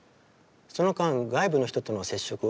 その間外部の人との接触は？